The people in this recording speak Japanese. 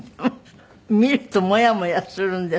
見るとモヤモヤするんですって？